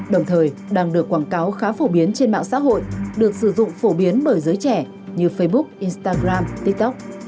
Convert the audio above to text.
đồng thời đang được quảng cáo khá phổ biến trên mạng xã hội được sử dụng phổ biến bởi giới trẻ như facebook instagram tiktok